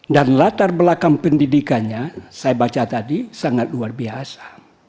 dan latar belakang pendidikannya saya baca tadi sangat luar biasa